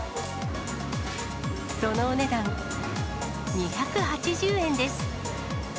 そのお値段、２８０円です。